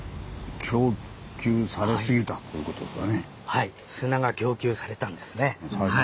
はい砂が供給されたんですね。